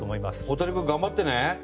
大谷君頑張ってね。